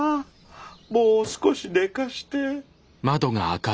もう少し寝かして。